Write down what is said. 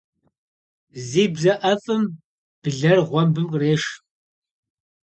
Зи бзэ IэфIым блэр гъуэмбым къреш.